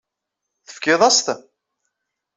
Tefkiḍ-as-t?